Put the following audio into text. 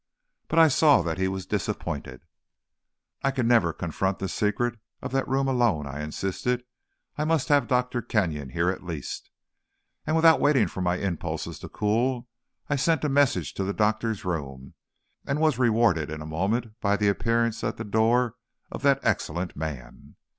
But I saw that he was disappointed. "I can never confront the secret of that room alone," I insisted. "I must have Dr. Kenyon here at least." And without waiting for my impulses to cool, I sent a message to the doctor's room, and was rewarded in a moment by the appearance at the door of that excellent man.